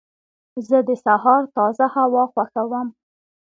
زه د سهار تازه هوا خوښوم.